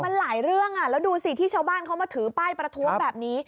มันหลายเรื่องแล้วดูสิที่ชาวบ้านเขามาถือป้ายประท้วงแบบนี้